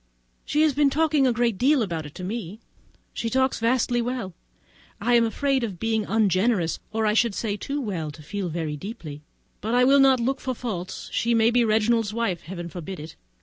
She has been talking a great deal about it to me. She talks vastly well; I am afraid of being ungenerous, or I should say, too well to feel so very deeply; but I will not look for her faults; she may be Reginald's wife! Heaven forbid it!